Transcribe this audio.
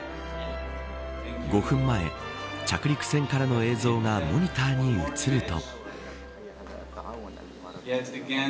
５分前、着陸船からの映像がモニターに映ると。